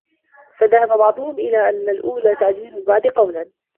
فَذَهَبَ بَعْضُهُمْ إلَى أَنَّ الْأَوْلَى تَعْجِيلُ الْوَعْدِ قَوْلًا